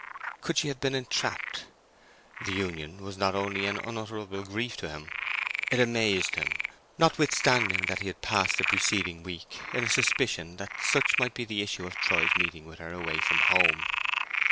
Could she have been entrapped? The union was not only an unutterable grief to him: it amazed him, notwithstanding that he had passed the preceding week in a suspicion that such might be the issue of Troy's meeting her away from home.